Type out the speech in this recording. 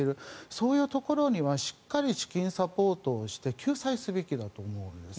そういうところにはしっかり資金サポートをして救済すべきだと思うんです。